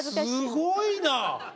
すごいな！